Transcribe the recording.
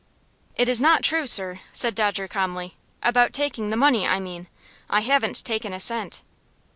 "It is not true, sir," said Dodger, calmly, "about taking the money, I mean. I haven't taken a cent."